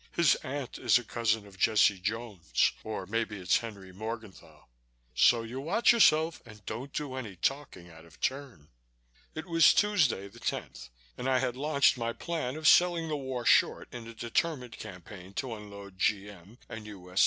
His aunt is a cousin of Jesse Jones or maybe it's Henry Morgenthau. So you watch yourself and don't do any talking out of turn." It was Tuesday, the 10th, and I had launched my plan of selling the war short in a determined campaign to unload G.M. and U.S.